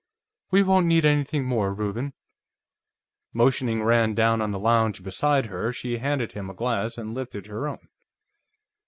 "We won't need anything more, Reuben." Motioning Rand down on the lounge beside her, she handed him a glass and lifted her own.